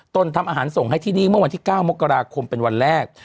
ทำอาหารส่งให้ที่นี่เมื่อวันที่๙มกราคมเป็นวันแรก